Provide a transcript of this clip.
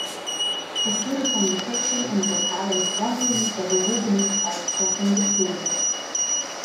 Es wurde von Geschäften und Lokalen vornehmlich der gehobenen Preisklassen bezogen.